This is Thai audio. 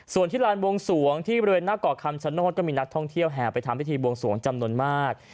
ส่วนที่ลานบวงสวงที่บริเวณหน้าเกาะคำชโนธก็มีนักท่องเที่ยวแห่ไปทำพิธีบวงสวงจำนวนมาก